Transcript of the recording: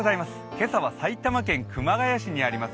今朝は埼玉県熊谷市にあります